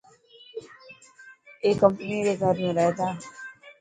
اي ڪمپني ري گهر ۾ رهي تا.